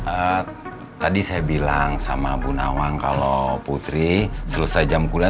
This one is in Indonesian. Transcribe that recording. ya tadi saya bilang sama bu nawang kalau putri selesai jam kuliah